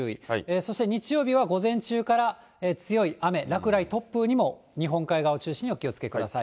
そして日曜日は午前中から強い雨、落雷、突風にも日本海側中心にお気をつけください。